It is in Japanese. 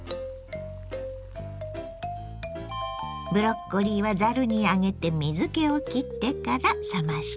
ブロッコリーはざるに上げて水けをきってから冷ましてね。